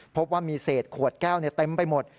พบว่ามีเศษขวดแก้วเต็มไปหมด